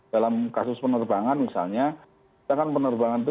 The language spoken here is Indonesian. dalam kasus penerbangan misalnya